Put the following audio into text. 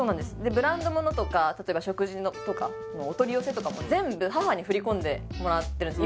ブランド物とか食事とかお取り寄せとかも全部母に振り込んでもらってるんです